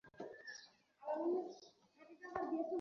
আর তোমরা কিছু বলোও না ওকে।